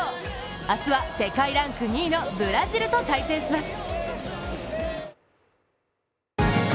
明日は世界ランク２位のブラジルと対戦します。